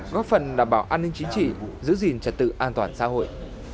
giúp các phần đảm bảo an ninh chính trị giữ gìn trật tự an toàn xã hội